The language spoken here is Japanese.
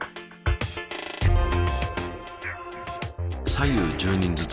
左右１０人ずつ。